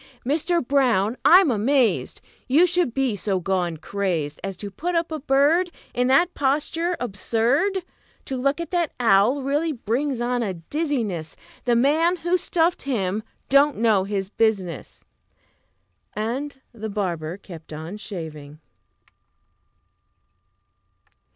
Mister Brown, I'm amazed You should be so gone crazed As to put up a bird In that posture absurd! To look at that owl really brings on a dizziness; The man who stuffed him don't half know his business!" And the barber kept on shaving.